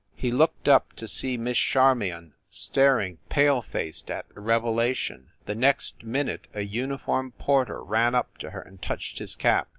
He looked up to see Miss Charmion star ing pale faced at the revelation. The next min ute a uniformed porter ran up to her and touched his cap.